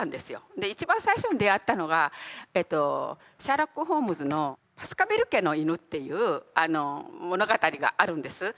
で一番最初に出会ったのがシャーロック・ホームズの「バスカヴィル家の犬」っていう物語があるんです。